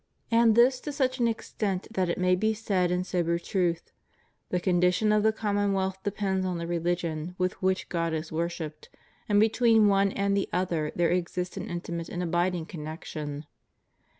And this to such an extent that it may be said in sober truth: "The condition of the commonwealth depends on the religion with which God is worshipped: and between one and the other there exists an intimate and abiding connection."